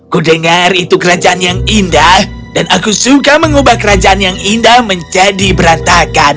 kudengar itu kerajaan yang indah dan aku suka mengubah kerajaan yang indah menjadi berantakan